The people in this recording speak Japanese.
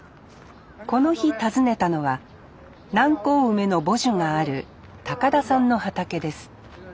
この日訪ねたのは南高梅の母樹がある田さんの畑です